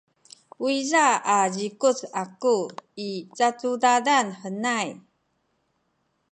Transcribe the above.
uyza a zikuc aku i cacudadan henay.